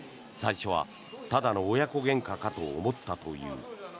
最初はただの親子げんかかと思ったという。